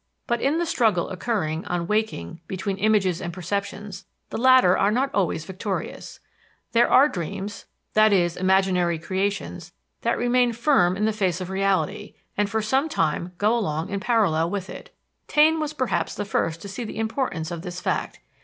But, in the struggle occurring, on waking, between images and perceptions, the latter are not always victorious. There are dreams i.e., imaginary creations that remain firm in face of reality, and for some time go along parallel with it. Taine was perhaps the first to see the importance of this fact.